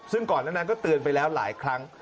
ซึ่งก่อนนั้นก็เตือนไปแล้วหลายครั้ง